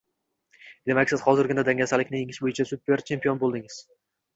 Demak siz hozirgina dangasalikni yengish bo’yicha super chempion bo’ldingiz